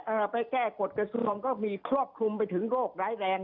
ไปแก้กฎกระทรวงก็มีครอบคลุมไปถึงโรคร้ายแรง